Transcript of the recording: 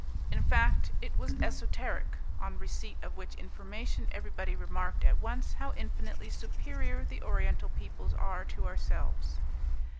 In fact, it was esoteric on receipt of which information everybody remarked at once how infinitely superior the Oriental peoples are to ourselves.